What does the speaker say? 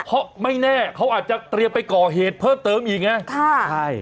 เพราะไม่แน่เขาอาจจะเตรียมไปก่อเหตุเพื่อเติมอย่างเงี้ยค่ะใช่